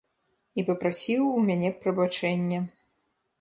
І папрасіў у мяне прабачэння.